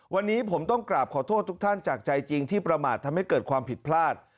วันนี้ผมต้องกราบขอโทษทุกท่านจากใจจริงที่ประมาททำให้เกิดความผิดพลาด